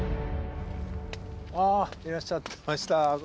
あいらっしゃいました。